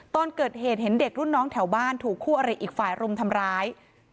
ตอนเกิดเหตุเห็นเด็กรุ่นน้องแถวบ้านถูกคู่อริอีกฝ่ายรุมทำร้าย